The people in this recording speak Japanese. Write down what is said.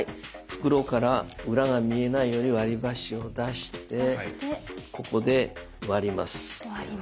袋から裏が見えないように割りばしを出してここで割ります。